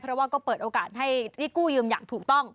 เพราะว่าก็เปิดโอกาสให้กู้ยืมอย่างถูกต้อง